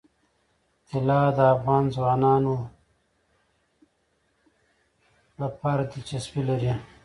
طلا د افغان ځوانانو لپاره دلچسپي لري.